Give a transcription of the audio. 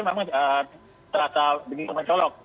memang terasa begitu mencolok